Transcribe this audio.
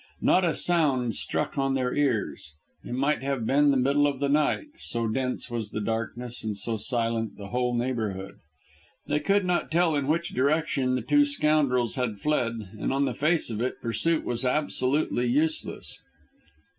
Not a sound struck on their ears; it might have been the middle of the night, so dense was the darkness and so silent the whole neighbourhood. They could not tell in which direction the two scoundrels had fled, and on the face of it pursuit was absolutely useless.